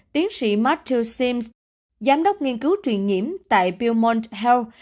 tiến sĩ matthew sims giám đốc nghiên cứu truyền nhiễm tại belmont health